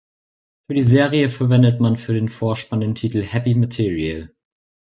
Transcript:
Für die Serie verwendete man für den Vorspann den Titel "Happy Material".